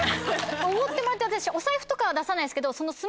おごってもらって私お財布とかは出さないですけど。